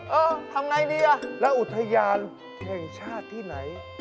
เออทำไงดีอ่ะแล้วอุทยานแห่งชาติที่ไหน